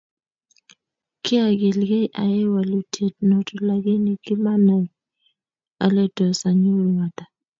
Kiakilkei ayai walutiet noto lakini kimanai ale tos anyoru ata